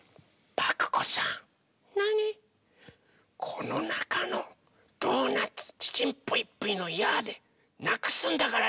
このなかのドーナツ「ちちんぷいぷいのやあ！」でなくすんだからね！